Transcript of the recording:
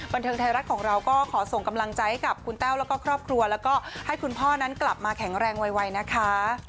บันเทิงไทยรัฐของเราก็ขอส่งกำลังใจให้กับคุณแต้วแล้วก็ครอบครัวแล้วก็ให้คุณพ่อนั้นกลับมาแข็งแรงไวนะคะ